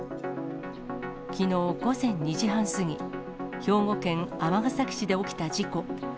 きのう午前２時半過ぎ、兵庫県尼崎市で起きた事故。